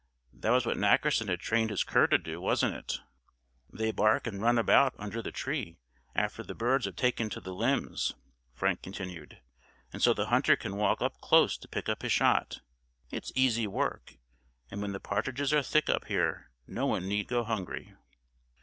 That was what Nackerson had trained his cur to do, wasn't it?" "They bark and run about under the tree after the birds have taken to the limbs," Frank continued; "and so the hunter can walk up close to pick his shot. It's easy work, and when the partridges are thick up here no one need go hungry."